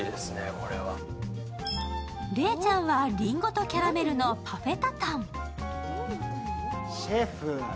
礼ちゃんはりんごとキャラメルのパフェタタン。